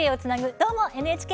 「どーも、ＮＨＫ」。